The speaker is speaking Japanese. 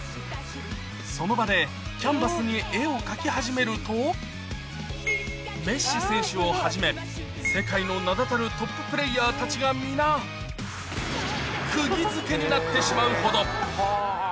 その場でキャンバスに絵を描き始めるとメッシ選手をはじめ、世界の名だたるトッププレーヤーたちが皆、くぎづけになってしまうほど。